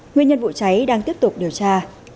nguyên nhân vụ cháy đang tiếp tục điều tra